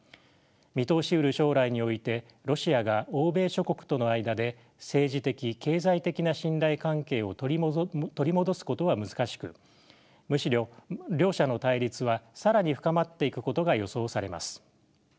見通しうる将来においてロシアが欧米諸国との間で政治的経済的な信頼関係を取り戻すことは難しくむしろ両者の対立は更に深まっていくことが予想されます。